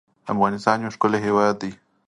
افغانستان يو ښکلی هېواد دی